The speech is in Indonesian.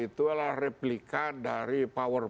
itu adalah replika dari power